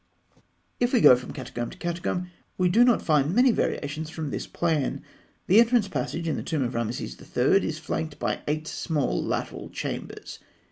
If we go from catacomb to catacomb, we do not find many variations from this plan. The entrance passage in the tomb of Rameses III. is flanked by eight small lateral chambers.